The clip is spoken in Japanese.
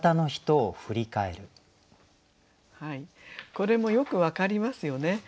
これもよく分かりますよね。